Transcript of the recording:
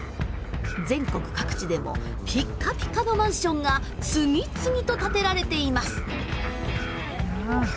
全国各地でもピッカピカのマンションが次々と建てられています。